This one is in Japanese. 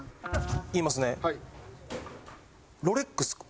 言いますね。